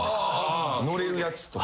乗れるやつとか。